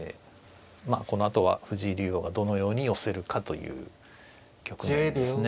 このあとは藤井竜王がどのように寄せるかという局面ですね。